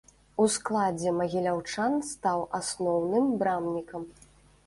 У складзе магіляўчан стаў асноўным брамнікам.